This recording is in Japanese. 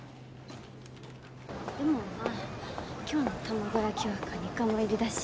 でもまあ今日の卵焼きはカニカマ入りだし。